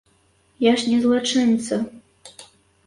Я ж не злачынца!